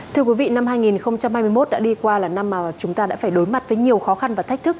thưa quý vị năm hai nghìn hai mươi một đã đi qua là năm mà chúng ta đã phải đối mặt với nhiều khó khăn và thách thức